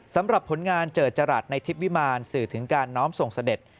สำหรับผลงานเจิดจรัสในทิพย์วิมารสื่อถึงการน้อมส่งเสด็จ